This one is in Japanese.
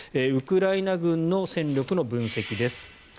ウクライナ軍の戦力の分析です。